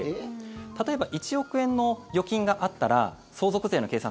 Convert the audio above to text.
例えば１億円の預金があったら相続税の計算